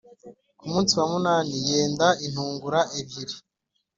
Ku munsi wa munani yende intungura ebyiri